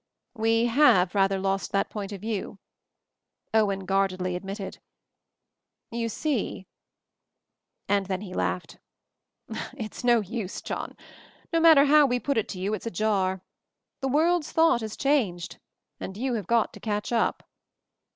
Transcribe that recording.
"We have rather lost that point of view," Owen guardedly admitted. "You see " and then he laughed. "It's no use, John; no matter how we put it to you it's a jar. The world's thought has changed — and you have got to catch up